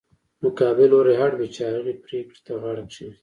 مقابل لوری اړ وي چې هغې پرېکړې ته غاړه کېږدي.